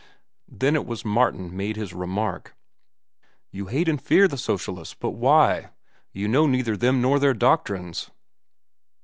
Then it was that Martin made his remark: "You hate and fear the socialists; but why? You know neither them nor their doctrines."